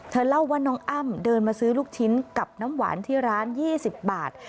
เล่าว่าน้องอ้ำเดินมาซื้อลูกชิ้นกับน้ำหวานที่ร้าน๒๐บาท